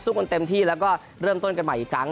กันเต็มที่แล้วก็เริ่มต้นกันใหม่อีกครั้ง